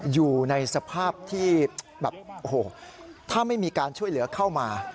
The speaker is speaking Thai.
อยู่ในสภาพที่แบบโอ้โหถ้าไม่มีการช่วยเหลือเข้ามา